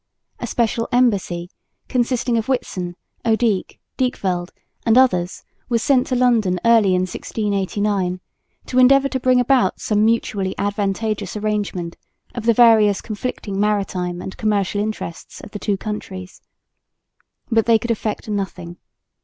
A special embassy consisting of Witsen, Odijk, Dijkveld and others was sent to London early in 1689 to endeavour to bring about some mutually advantageous arrangement of the various conflicting maritime and commercial interests of the two countries. But they could effect nothing.